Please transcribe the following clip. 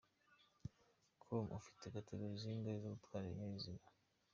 com : Ufite Categorie zingahe zo gutwara ibinyabiziga ?.